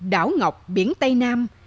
đảo ngọc biển tây nam